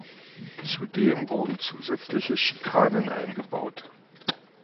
Zudem wurden zusätzliche Schikanen eingebaut.